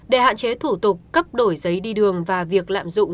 để hạn chế thủ tục cấp đổi giấy đi đường và việc lạm dụng